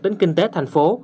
đến kinh tế thành phố